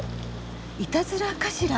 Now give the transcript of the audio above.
いたずらかしら？